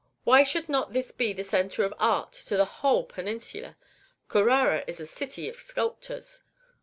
Why should not this be the centre of art to the whole Peninsula? Carrara is a city of sculptors.